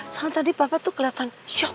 soalnya tadi papa tuh kelihatan